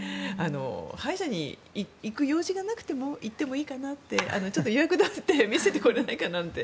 歯医者に行く用事がなくても行ってもいいかなってちょっと予約を取って見せてもらえないかなと。